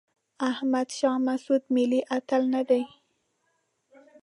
احمد شاه مسعود ملي اتل نه دی.